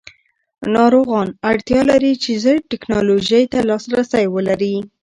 ناروغان اړتیا لري چې ژر ټېکنالوژۍ ته لاسرسی ولري.